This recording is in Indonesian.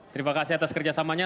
terima kasih atas kerjasamanya